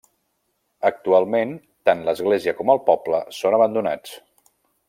Actualment tant l'església com el poble són abandonats.